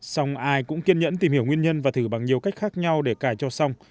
xong ai cũng kiên nhẫn tìm hiểu nguyên nhân và thử bằng nhiều cách khác nhau để cài cho xong